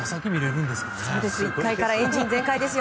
１回からエンジン全開です。